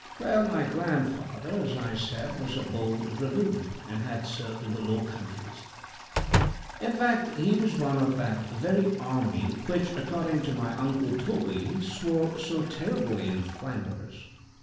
Well, my grandfather, as I said, was a bold dragoon, and had served in the Low Countries. In fact, he was one of that very army, which, according to my uncle Toby, "swore so terribly in Flanders."